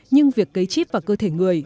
nhưng việc cấy chip vào cơ thể người